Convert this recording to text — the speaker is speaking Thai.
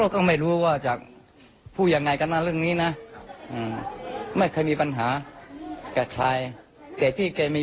ที่ผมสังเกตมาผมเป็นที่ใช้ไว้ผมสังเกตมาไม่เคยมี